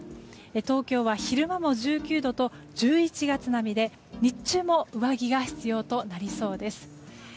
東京は昼間も１９度と１１月並みで日中も上着が必要となりそうです。